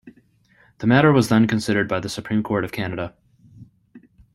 The matter was then considered by the Supreme Court of Canada.